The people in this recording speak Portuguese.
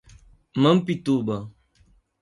Mampituba